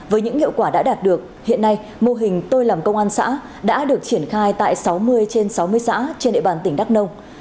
với những hiệu quả đã đạt được hiện nay mô hình tôi làm công an xã đã được triển khai tại sáu mươi trên sáu mươi xã trên địa bàn tỉnh đắk nông